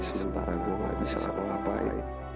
sementara gue nggak bisa melapari